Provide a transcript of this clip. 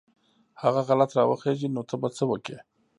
هغه غلط راوخېژي نو ته به څه وکې.